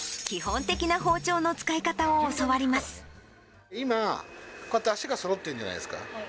基本的な包丁の使い方を教わ今、こうやって足がそろってるじゃないですか。